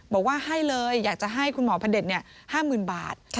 บอกว่าให้เลยอยากจะให้คุณหมอพระเด็จ๕๐๐๐บาท